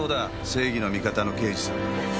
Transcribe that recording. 正義の味方の刑事さんだ。